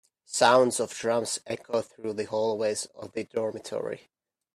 Sounds of drums echoed through the hallways of the dormitory.